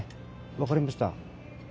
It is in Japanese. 分かりました。